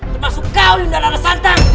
termasuk kau lindana nesantang